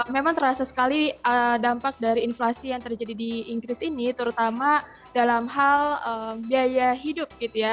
memang terasa sekali dampak dari inflasi yang terjadi di inggris ini terutama dalam hal biaya hidup gitu ya